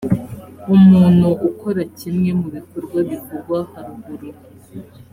umuntu ukora kimwe mu bikorwa bivugwa haruguru